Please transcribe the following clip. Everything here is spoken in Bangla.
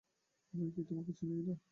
আমি কি তোমাকে চিনি না?